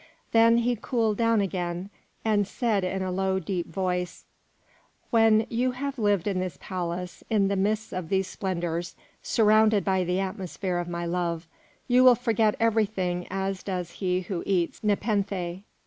Then he cooled down again, and said in a low, deep voice, "When you shall have lived in this palace, in the midst of these splendours, surrounded by the atmosphere of my love, you will forget everything as does he who eats nepenthe.